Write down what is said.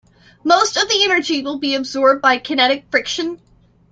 Most of the energy will be absorbed by kinetic friction.